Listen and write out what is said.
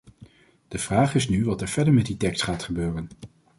De vraag is nu wat er verder met die tekst gaat gebeuren.